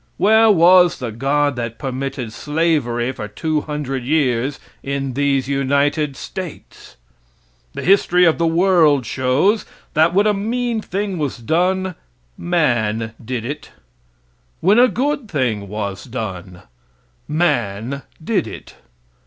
Where was the God that permitted slavery for two hundred years in these United States? The history of the world shows that when a mean thing was done, man did it; when a good thing was done, man did it.